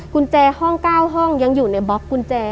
กุญแจห้อง๙ห้องยังอยู่ในบล็อกกุญแจ